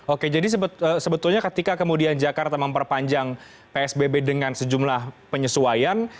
oke jadi sebetulnya ketika kemudian jakarta memperpanjang psbb dengan sejumlah penyesuaian